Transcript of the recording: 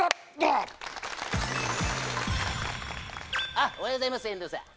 あっおはようございます遠藤さん